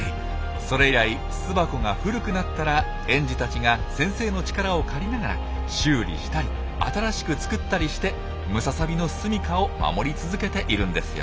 それ以来巣箱が古くなったら園児たちが先生の力を借りながら修理したり新しく作ったりしてムササビのすみかを守り続けているんですよ。